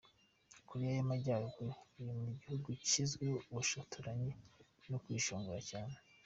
Koreya y’Amajyaruguru, iri mu bihugu bizwiho ubushotoranyi no kwishongora cyane.